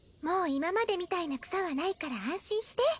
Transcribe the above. もう今までみたいな草はないから安心して。